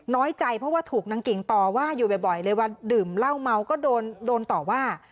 น้อยใจเพราะว่าถูกนางกิ่งต่อว่าอยู่บ่อยเลยวันดื่มเหล้าเมาก็โดนต่อว่า